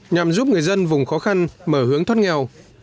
nhằm giúp người dân vùng khó khăn mở hướng thoát nghèo